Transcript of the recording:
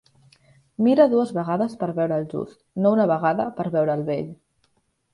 Mira dues vegades per veure el just, no una vegada per veure el bell.